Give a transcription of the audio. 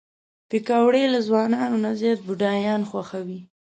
پکورې له ځوانانو نه زیات بوډاګان خوښوي